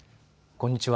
こんにちは。